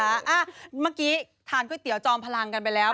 เมื่อกี้ทานก๋วยเตี๋ยวจอมพลังกันไปแล้ว